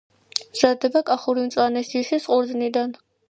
მზადდება კახური მწვანეს ჯიშის ყურძნიდან.